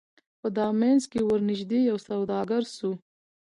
په دامنځ کي ورنیژدې یو سوداګر سو